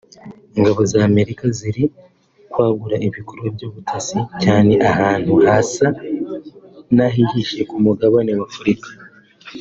“Ingabo z’Amerika ziri kwagura ibikorwa by’ubutasi cyane ahantu hasa n’ahihishe ku mugabane w’Afurika